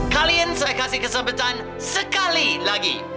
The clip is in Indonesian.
kalian saya kasih kesempatan sekali lagi